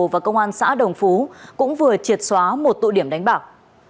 và công an xã đồng phú cũng vừa triệt xóa một tụ điểm đánh bạc